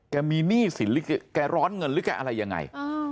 มีหนี้สินหรือแกร้อนเงินหรือแกอะไรยังไง